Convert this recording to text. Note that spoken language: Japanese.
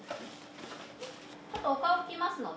ちょっとお顔拭きますので。